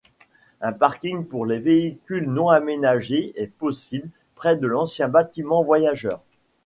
Un parking pour les véhicules non aménagé est possible près de l'ancien bâtiment voyageurs.